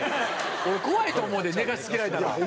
俺怖いと思うで寝かし付けられたら。